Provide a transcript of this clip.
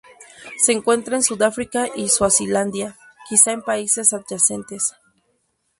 Se encuentra en Sudáfrica y Suazilandia; quizá en países adyacentes.